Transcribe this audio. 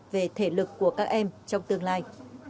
về thể lực của các em trong tương lai